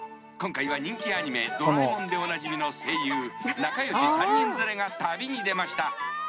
今回は人気アニメ『ドラえもん』でおなじみの声優仲よし３人連れが旅に出ました